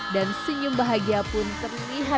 dan senyum bahagia pun terlihat di luar